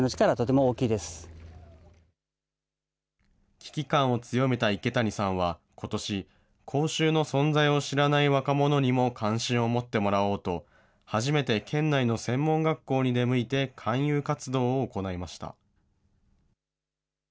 危機感を強めた池谷さんはことし、講習の存在を知らない若者にも関心を持ってもらおうと、初めて県内の専門学校に出向いて勧誘活動を行いました。